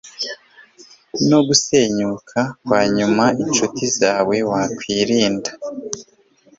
no gusenyuka kwa nyuma inshuti zawe wakwirinda